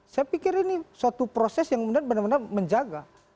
saya pikir ini suatu proses yang benar benar menjaga